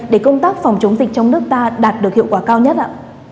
để công tác phòng chống dịch trong nước ta đạt được hiệu quả cao nhất ạ